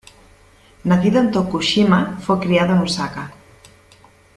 Nacido en Tokushima fue criado en Osaka.